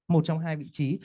một trong hai vị trí